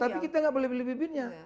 tapi kita gak boleh beli bibirnya